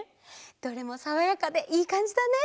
どれもさわやかでいいかんじだね。